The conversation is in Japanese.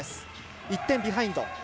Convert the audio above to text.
１点ビハインド。